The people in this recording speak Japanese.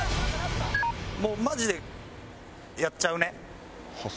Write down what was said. もうマジでやっちゃうね。